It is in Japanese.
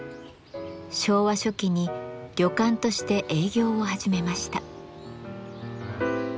昭和初期に旅館として営業を始めました。